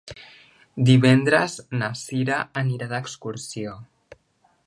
Divendres na Cira anirà d'excursió.